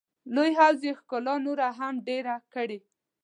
لوی حوض یې ښکلا نوره هم ډېره کړې.